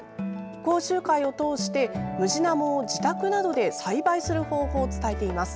講習会を通してムジナモを自宅などで栽培する方法を伝えています。